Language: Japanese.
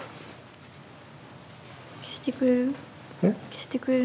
消してくれる？